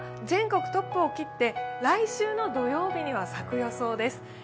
全国トップを切って来週の土曜日には咲く予想です。